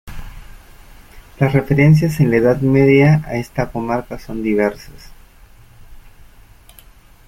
Las referencias en la Edad Media a esta comarca son diversas.